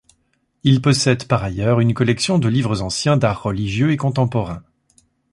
Il possède par ailleurs une collection de livres anciens, d’art religieux et contemporain.